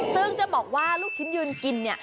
ซึ่งจะบอกว่าลูกชิ้นยืนกินเนี่ย